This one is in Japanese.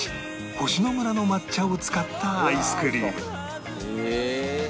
星野村の抹茶を使ったアイスクリームへえ！